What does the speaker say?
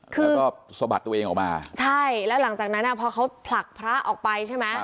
แล้วก็สะบัดตัวเองออกมาใช่แล้วหลังจากนั้นอ่ะพอเขาผลักพระออกไปใช่ไหม